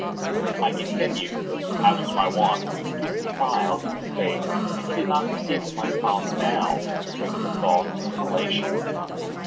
I continued, as was my wont, to smile in his face, and he did not perceive that my smile now was at the thought of his immolation.